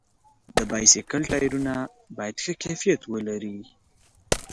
د بایسکل ټایرونه باید ښه کیفیت ولري.